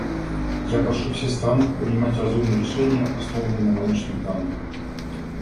Я прошу все страны принимать разумные решения, основанные на научных данных.